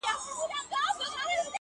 چي بیا يې ونه وینم ومي نه ويني؛